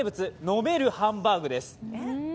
飲めるハンバーグです。